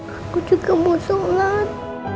aku juga mau sholat